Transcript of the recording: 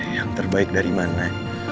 yang terbaik dari mana